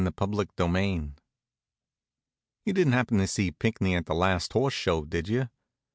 CHAPTER VI You didn't happen to see Pinckney at the last Horse Show, did you?